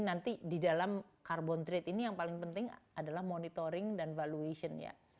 nanti di dalam carbon trade ini yang paling penting adalah monitoring dan valuation nya